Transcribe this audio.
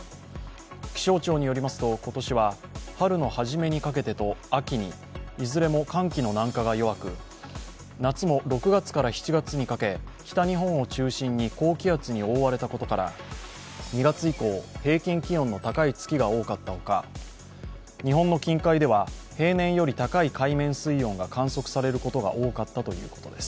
気象庁によりますと今年は春のはじめにかけてと秋にいずれも寒気の南下が弱く、夏も６月から７月にかけ北日本を中心に高気圧に覆われたことから２月以降、平均気温の高い月が多かったほか、日本の近海では平年より高い海面水温が観測されることが多かったということです。